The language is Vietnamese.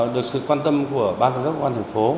được sự quan tâm của ban thống đốc quân thành phố